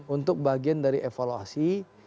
untuk bagian dari evaluasi